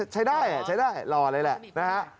ใช้ได้ฝ่าหล่อเลยแหละ